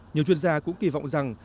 nhiều chuyên gia cũng kỳ vọng rằng